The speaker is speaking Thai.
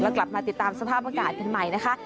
แล้วกลับมาติดตามสภาพอากาศกันใหม่นะคะ